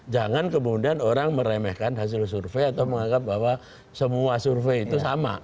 jangan kemudian orang meremehkan hasil survei atau menganggap bahwa semua survei itu sama